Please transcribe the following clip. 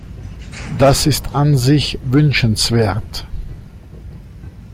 Das ist an sich wünschenswert.